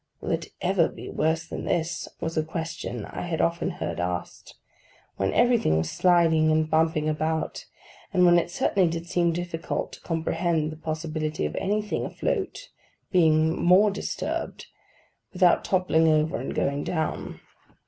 'Will it ever be worse than this?' was a question I had often heard asked, when everything was sliding and bumping about, and when it certainly did seem difficult to comprehend the possibility of anything afloat being more disturbed, without toppling over and going down.